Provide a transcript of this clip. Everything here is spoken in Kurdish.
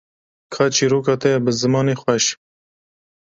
ka çîroka te ya bi zimanê xweş